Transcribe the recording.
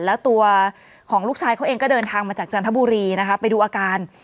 แล้วตัวของลูกชายเขาเองก็เดินทางมาจากจันทบุรีนะคะไปดูอาการ